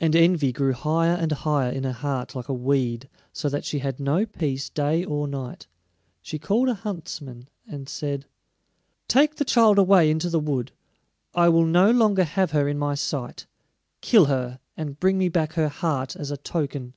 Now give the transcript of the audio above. And envy grew higher and higher in her heart like a weed, so that she had no peace day or night. She called a huntsman, and said: "Take the child away into the wood; I will no longer have her in my sight. Kill her, and bring me back her heart as a token."